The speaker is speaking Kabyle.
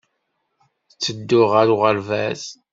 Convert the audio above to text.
Ttedduɣ ɣer uɣerbaz.